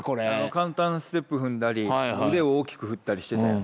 簡単ステップ踏んだり腕を大きく振ったりしてたやん。